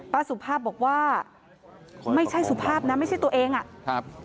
สุภาพบอกว่าไม่ใช่สุภาพนะไม่ใช่ตัวเองอ่ะครับ